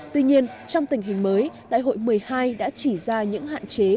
tuy nhiên trong tình hình mới đại hội một mươi hai đã chỉ ra những hạn chế